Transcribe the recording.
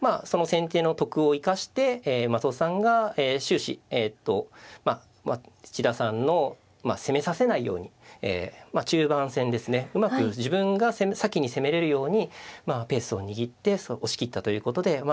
その先手の得を生かして松尾さんが終始千田さんを攻めさせないように中盤戦ですねうまく自分が先に攻めれるようにペースを握って押し切ったということで。